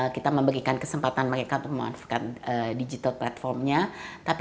kita memberikan kesempatan mereka untuk memanfaatkan digital platformnya